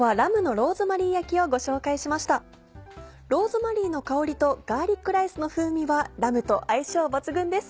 ローズマリーの香りとガーリックライスの風味はラムと相性抜群です。